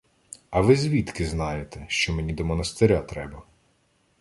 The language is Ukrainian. — А ви звідки знаєте, що мені до монастиря треба?